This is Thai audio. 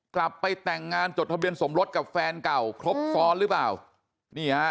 กลับไปแต่งงานจดทะเบียนสมรสกับแฟนเก่าครบซ้อนหรือเปล่านี่ฮะ